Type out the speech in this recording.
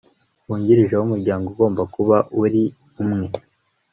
wungirije w umuryango ugomba kuba uri umwe